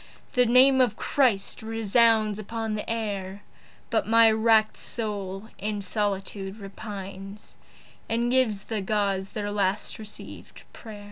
The name of Christ resounds upon the air. But my wrack'd soul in solitude repines And gives the Gods their last receivèd pray'r.